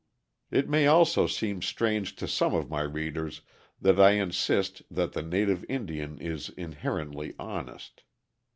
It may also seem strange to some of my readers that I insist that the native Indian is inherently honest.